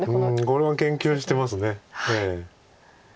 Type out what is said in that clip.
これは研究してます。